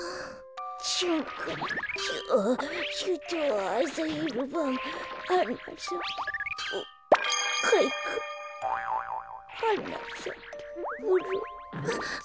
しゅんかしゅうとうあさひるばんはなさけかいか。はなさけブルーローズ。